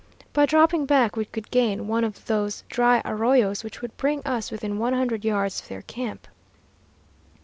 By dropping back we could gain one of those dry arroyos which would bring us within one hundred yards of their camp.